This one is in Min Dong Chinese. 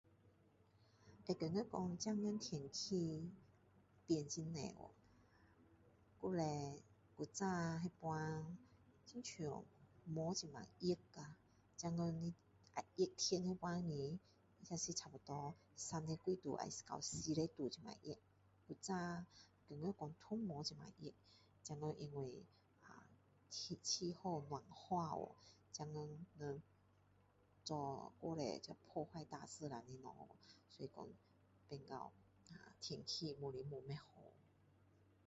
会觉得说现在的天气变很多去以前以前的那个时候很像没有这么热现在热天的那个时候不是那个是差不多30多度要到40度这么热以前觉得说都没有这么热现在因为呃气候暖化喔现在人做太多这个破坏大自然的东西所以说变到天气越来越不好喔